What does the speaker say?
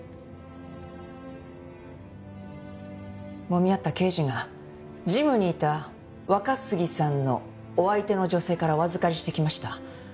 揉み合った刑事がジムにいた若杉さんのお相手の女性からお預かりしてきました。